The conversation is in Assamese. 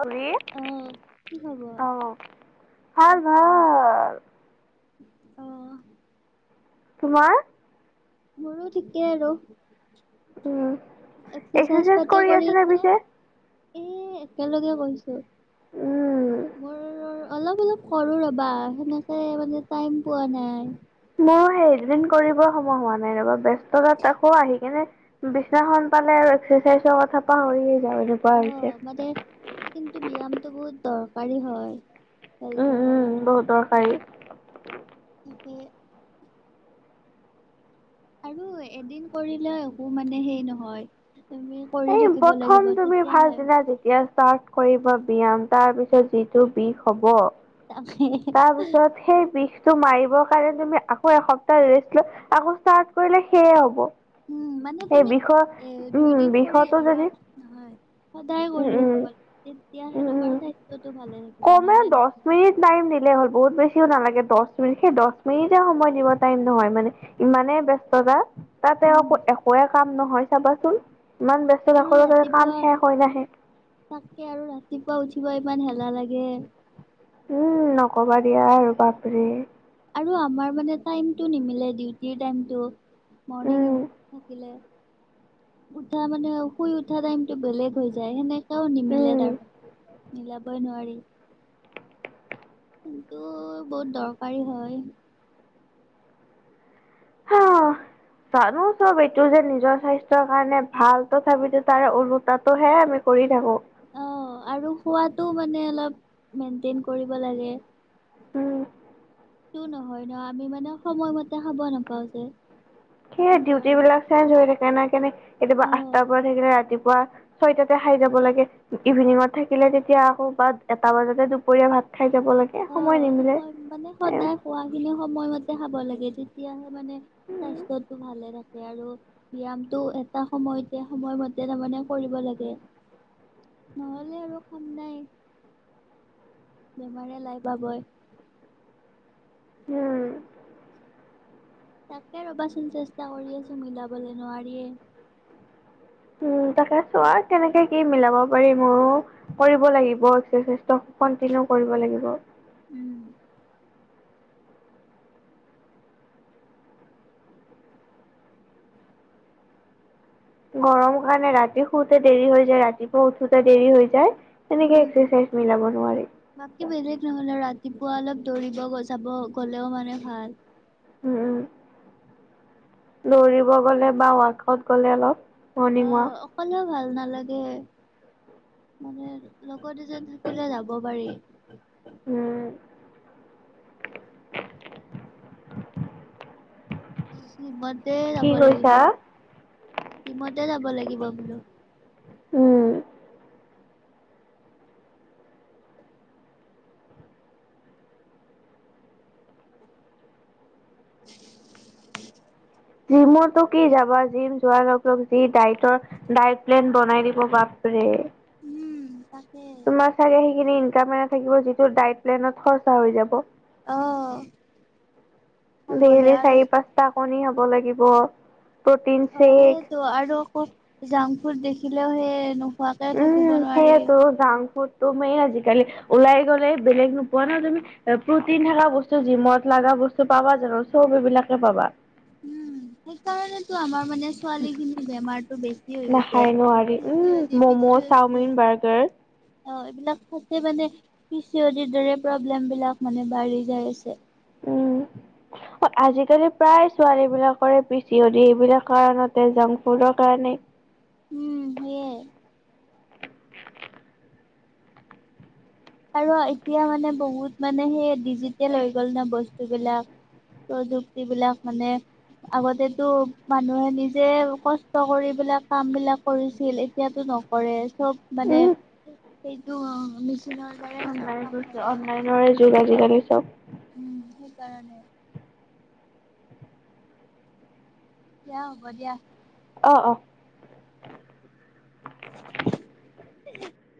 অকে অ কি খবৰ? আ ভাল ভাল আহ তোমাৰ মোৰো ঠিকে আৰু উম। এক্সাচাইজ এক্সাৰচাইজ পতি কৰি আছিলা পিছে? [unintelligible] এ একেলগে কৈছো উম। অলপ অলপ কৰু ৰ'বা সেনেকে মানে টাইম পোৱা নাই সেই দুদিন কৰিব সময় হোৱা নাই ৰবা ব্যস্ততা আকৌ আহি কেনে বিচনাখন পালে আৰু এক্সাৰচাইজৰ কথা পাহৰীয়েই [unintelligible] অ মানে কিন্তু ব্যায়ামতটো বহুত দৰ পানী হয় উম, হেলটো কাৰাল ন উম, [unintelligible] বহুত দৰকাৰী। আৰু এদিন কৰিলে একো মানে সেই নহয় তুমি কৰি এই থাকিব লাগিব প্ৰথম তুমি তেতিয়াহে ভালছিলা যেতিয়া চাৰ [unintelligible] কৰিব ব্যয়াম তাৰ পিছত যিটো বিষ হ'ব তাকে তাৰপিছত সেই বিষ তটো মাৰিবৰ কাৰণে তুমি আকৌ এসপ্তাহ ৰেষ্ট লৈ আকৌ ষ্টাৰ্ট কৰিলে সেয়ে হ'ব উম মানে সেই তুমি বিষয় এ উম দুইদিন কৰি বিষয়টো যদি ৰামত নহয় সদায় উম কৰি উম আহিব লাগে তেতিয়াহে উম উম তোমাৰ স্বাস্থ্যটো ভালে থাকিব নহ'লে নাথাকিব দিলে হ'ল বহুত বেছিও নালাগে দহ মিনিট সেই দহ মিনিটে সময় দিব টাইম নহয় মানে ইমানে ব্যস্ততা তা তেওঁ উম একোৱে কাম নহয় চাবাচোন ইমান আৰু ব্যস্ততাকো তাৰে কাম ৰাতিপুৱা শেষ হয় নাহে তাকে আৰু ৰাতিপুৱা উঠিব ইমান হেলা লাগে উম নকবা দিয়া আৰু বাপৰে আৰু আমাৰ মানে টাইমটো নিমিলে ডিউটিৰ টাইমটো মৰ্ণিং উম এ থাকিলে উঠা মানে শুই উঠা টাইমটো বেলেগ হৈ যায় সেনে কয়াও নিমিলে উম তাৰমানে মিলাবই নোৱাৰি [unintelligible] কিন্তু বহুত দৰকাৰী হয় হঅ জানো চব এইটো যে নিজৰ স্বাস্থ্যৰ কাৰণে ভাল তথাপিতো তাৰে ওলোটাটো হে আমি কৰি যাব অ আৰু খোৱাতো মানে অলপ মেইনটেইন কৰিব লাগে [inaudible] উম সেইটো নহয় ন আমি মানে সময়মতে খাব নাপাওঁ যে সেইয়াই ডিউটি সেইকাৰণে বিলাক চাই জৰি [inaudible] কেনে কেনে কেতিয়াবা অ আঠটাৰ পৰা থাকিলে ৰাতিপুৱা। ৰাতিপুৱা ছয়টাতে খাই যাব লাগে। ইভিনিঙত থাকিলে তেতিয়া আকৌ বা এটা বজাতে দুপৰীয়া ভাত খাই যাব লাগে। অ' সময় মানে সদায় খোৱা খিনি সময়মতে খাব লাগে। তেতিয়া মানে স্বাস্থ্যটো ভালে ৰাখে। আৰু ব্যায়াম টো এটা সময়তে সময়মতে তাৰমানে কৰিব লাগে নহ'লে আৰু কাম নাই। বেমাৰে লাই পাবই। উম। তাকে ৰবাচোন চেষ্টা কৰি আছো মিলাবলে নোৱাৰিয়ে। উম তাকে চোৱা কেনেকে কি মিলাব পাৰি ময়ো কৰিব লাগিব এক্সাৰচাইজটো কন্টিনিউ কৰিব লাগিব। উম গৰম কাৰণে ৰাতি শুতে দেৰি হৈ যায়। ৰাতিপুৱা উঠোতে দেৰি হৈ যায়। তেনেকে উম এক্সাৰচাইজ মিলাব বাকী নোৱাৰিম। বেলেগ নহ'লে ৰাতিপুৱা অলপ দৌৰিব যাব গ'লেও মানে ভাল। উম দৌৰিব গ'লে বা ৱাকত গ'লে অলপ। অ মৰ্ণিং ৱাক। অকলেও ভাল নালাগে মানে লগত এজন থাকিলে যাব পাৰি। উম। স ব [inaudible] যে কি লাগিব কৈছা? টিমতে যাব লাগিব। কি বাবলো [inaudible] উম', [inaudible] জিমৰটো কি যাবা। জিম যোৱাৰ লগ - লগ যি ডাইটৰ ডাইট প্লেন বনাই দিব বাপৰে। উম', তাক। তোমাৰ চাগে সেইখিনি ইনকাম এ ন থাকিব যিটো ডাইট প্লেনত খৰচা হৈ যাব। অ', খাবলে ডেইলি আৰু চাৰি পাঁচটা। কণী খাব লাগিব। প্ৰটিন অহ ', চেক সেইটো আৰু আকৌ জাং ফুুড দেখি। দেখিলেও সে উম', সেইয়েতো জাং ফুড। ত মেইন আজিকালি ওলাই গ'লে বেলেগ নোপোৱা ন তুমি এ প্ৰটিন থকা বস্তু যিমত লা গা বস্তু পাবা জানো চব এইবিলাকে পাবা। উম', সেইকাৰণেতো আমাৰ। মানে ছোৱালী খিনি বেমাৰতটো বেছি হৈ গৈছেি নাখায় নোৱাৰি P um C O D - P ম'ম' C O D. Chowmein burger অ', এইবিলাক খতে মানে পি চি অ ডি দৰে প্ৰব্লেম বিলাক মানে বাঢ়ি যাই আছে। উম ', আজিকালি প্ৰায় ছোৱালী বিলাকৰে পি চি অ ডী এইবিলাক কাৰণতে জাংক ফুডৰ কাৰণে। উম', সেইয়াই আৰু এতিয়া মানে বহুত মানে সেই ডিজিটেল হৈ গল ন বস্তু বিলাক, প্ৰযুক্তি বিলাক, মানে আগতেতো মানুহে নিজে কষ্ট কৰি এই বিলাক কাম বিলাক কৰিছিল এতিয়াতো নকৰে। চব মানে। উম সেইটো অ'! কিহৰ? অনলাইনছে -অনলাইনৰে যুগ আজিকালি। আচ্ছা। উম ', সেইকাৰণে। দিয়া হ'ব দিয়া। অহ', - অহ ', [inaudible]